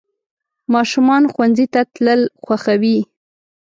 ماشومان ښوونځي ته تلل خوښوي.